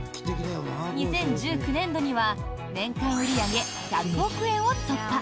２０１９年度には年間売り上げ１００億円を突破！